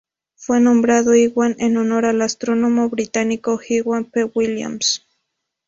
Fue nombrado Iwan en honor al astrónomo británico Iwan P. Williams.